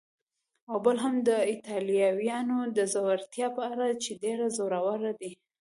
او بل هم د ایټالویانو د زړورتیا په اړه چې ډېر زړور دي.